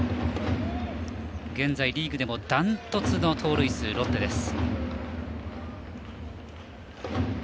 現在リーグでも断トツの盗塁数のロッテです。